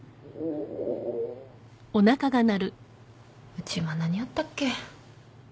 うち今何あったっけ？